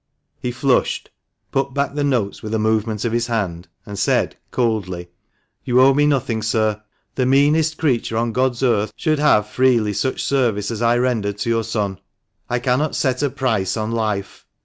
He flushed, put back the notes with a movement of his hand, and said, coldly :" You owe me nothing, sir. The meanest creature on God's earth should have freely such service as I rendered to your son. I cannot set a price on life."